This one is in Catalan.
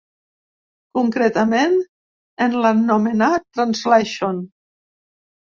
Concretament en l'anomenat «Translation».